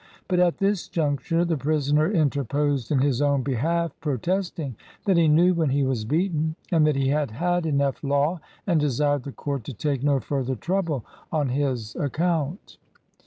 But at this juncture the prisoner in terposed in his own behalf, protesting that he knew when he was beaten, and that he had had 23 LINCOLN THE LAWYER enough law and desired the court to take no fur ther trouble on his account.